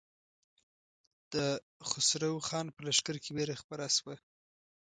د خسرو خان په لښکر کې وېره خپره شوه.